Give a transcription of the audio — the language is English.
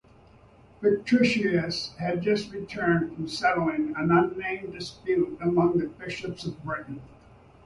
Victricius had just returned from settling an unnamed dispute among the bishops of Britain.